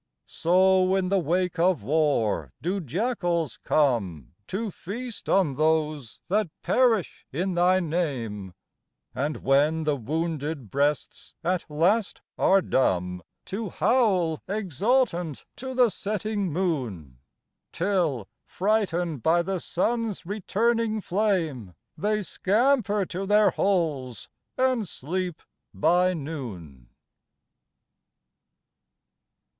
So in the wake of war do jackals come To feast on those that perish in thy name, And when the wounded breasts at last are dumb, To howl exultant to the setting moon, Till, frightened by the sun s returning flame, They scamper to their holes and sleep by noon.